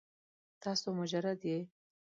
تاسو مجرد یې؟